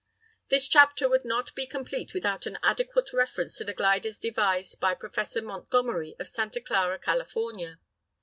This chapter would not be complete without an adequate reference to the gliders devised by Professor Montgomery of Santa Clara, California.